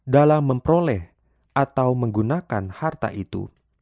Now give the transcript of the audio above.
dalam memperoleh atau menggunakan harta itu